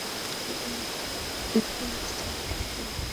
তিনি Interstop apparels limited নামের একটি পোশাক তৈরির কারখানায় কাজ করতেন।